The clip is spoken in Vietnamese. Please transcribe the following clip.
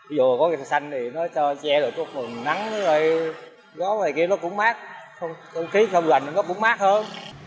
vô có cây xanh thì nó cho xe rồi có phần nắng gió này kia nó cũng mát không khí không gần nó cũng mát hơn